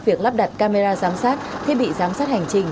việc lắp đặt camera giám sát thiết bị giám sát hành trình